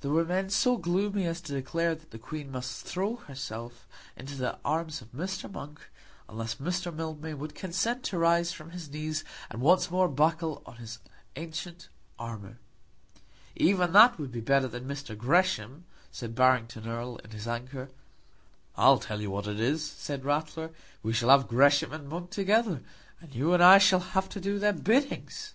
There were men so gloomy as to declare that the Queen must throw herself into the arms of Mr. Monk, unless Mr. Mildmay would consent to rise from his knees and once more buckle on his ancient armour. "Even that would be better than Gresham," said Barrington Erle, in his anger. "I'll tell you what it is," said Ratler, "we shall have Gresham and Monk together, and you and I shall have to do their biddings."